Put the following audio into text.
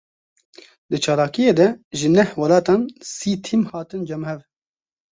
Di çalakiyê de ji neh welatan sî tîm hatin cem hev.